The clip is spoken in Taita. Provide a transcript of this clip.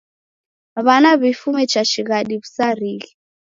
W'ana w'ifume cha shighadi w'isarighe.